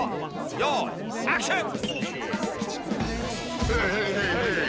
よいアクション！